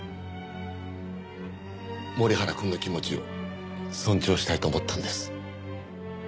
森原くんの気持ちを尊重したいと思ったんです。